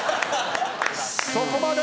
そこまで！